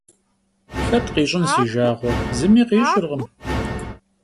Хэт къищӏын си жагъуэ зыми къищӏыркъым.